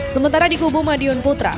sementara di kubu madiun putra